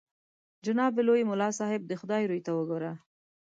جناب لوی ملا صاحب د خدای روی ته وګوره.